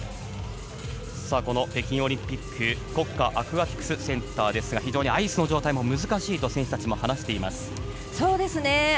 北京オリンピックの国家アクアティクスセンターは非常にアイスの状態も難しいと選手たちも話しています。